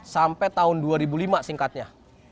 sampai tahun dua ribu lima singkatnya